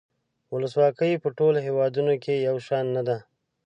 ولسواکي په ټولو هیوادونو کې یو شان نده.